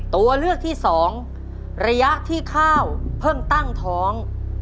ตัวเลือกที่สองระยะที่ข้าวเพิ่งตั้งท้อง